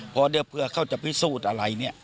เพื่อเขาจะพิสูจน์อะไรเนี่ย